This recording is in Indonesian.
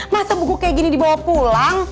masa buku kayak gini dibawa pulang